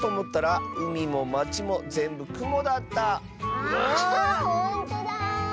ああほんとだ。